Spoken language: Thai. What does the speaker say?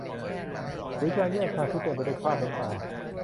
หรือการแยกทางที่เต็มไปด้วยคราบน้ำตา